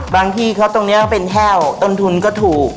ที่เขาตรงนี้ก็เป็นแห้วต้นทุนก็ถูก